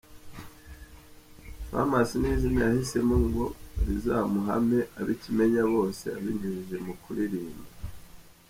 Famous ni iziha yahisemo ngo rizamuhame abe ikimenyabose abinyujije mu kuririmba.